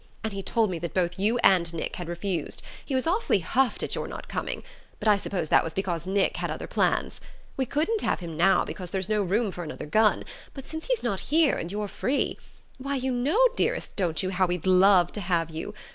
And he told me that both you and Nick had refused. He was awfully huffed at your not coming; but I suppose that was because Nick had other plans. We couldn't have him now, because there's no room for another gun; but since he's not here, and you're free, why you know, dearest, don't you, how we'd love to have you?